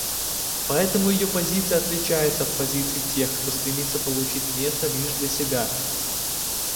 Поэтому ее позиция отличается от позиции тех, кто стремится получить место лишь для себя.